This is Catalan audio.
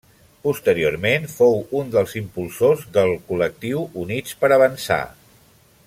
Posteriorment fou un dels impulsors del col·lectiu Units per Avançar.